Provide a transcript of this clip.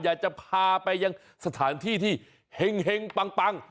อยากจะพาไปยังสถานที่ที่เห็งปัง